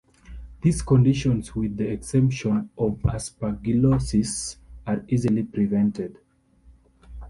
These conditions, with the exception of aspergillosis, are easily prevented.